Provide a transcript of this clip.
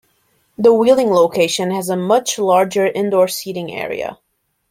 The Wheeling location has a much larger indoor seating area.